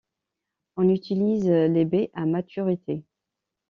On utilise les baies à maturité.